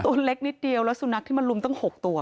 ตัวเล็กนิดเดียวแล้วสุนัขที่มันลุมตั้ง๖ตัว